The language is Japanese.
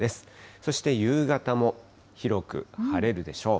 そして夕方も広く晴れるでしょう。